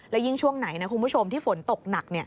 และยิ่งช่วงไหนนะคุณผู้ชมที่ฝนตกหนัก